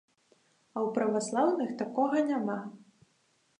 А ў праваслаўных такога няма.